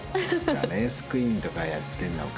レースクイーンとかやってるのか。